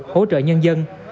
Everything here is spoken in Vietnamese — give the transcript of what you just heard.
hỗ trợ nhân dân